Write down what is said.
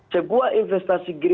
sebuah investasi green energy